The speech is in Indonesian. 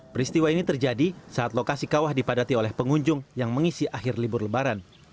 peristiwa ini terjadi saat lokasi kawah dipadati oleh pengunjung yang mengisi akhir libur lebaran